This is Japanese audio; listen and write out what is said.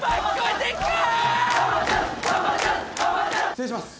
失礼します。